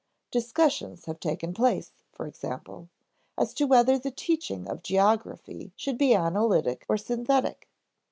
Discussions have taken place, for example, as to whether the teaching of geography should be analytic or synthetic.